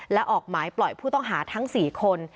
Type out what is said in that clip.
และออกหมายปล่อยผู้ต้องหาทั้ง๔คน